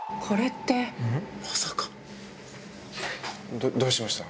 どどうしました？